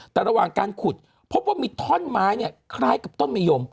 แต่ระหว่างการขุดพบว่ามีท่อนไม้เนี่ยคล้ายกับต้นมะยม